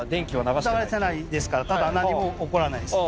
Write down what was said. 流してないですからただ何も起こらないです